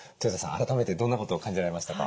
改めてどんなことを感じられましたか？